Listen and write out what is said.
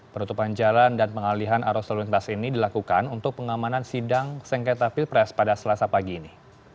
penutupan jalan dan pengalihan arus lalu lintas ini dilakukan untuk pengamanan sidang sengketa pilpres pada selasa pagi ini